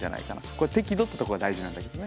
これ適度ってところが大事なんだけどね。